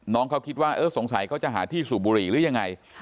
น้องเขาคิดว่าเออสงสัยเขาจะหาที่สูบบุหรี่หรือยังไง